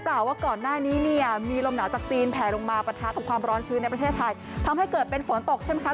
ปัญหาปัญหากับความร้อนชื้นในประเทศไทยทำให้เกิดเป็นฝนตกใช่ไหมคะ